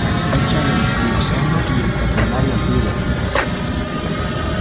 Fecha del Plioceno y el Cuaternario antiguo.